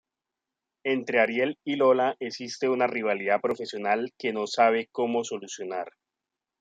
Entre Ariel y Lola existe una rivalidad profesional que no saben cómo solucionar.